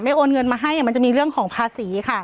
โอนเงินมาให้มันจะมีเรื่องของภาษีค่ะ